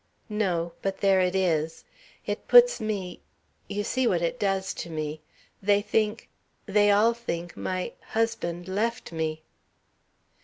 "No. But there it is. It puts me you see what it does to me. They think they all think my husband left me."